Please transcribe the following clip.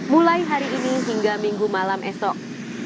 mulai hari ini hingga minggu malam esok